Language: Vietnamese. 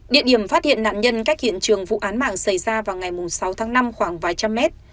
địa điểm phát hiện nạn nhân cách hiện trường vụ án mạng xảy ra vào ngày sáu tháng năm khoảng vài trăm mét